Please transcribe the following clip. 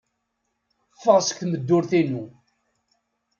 Ffeɣ seg tmeddurt-inu.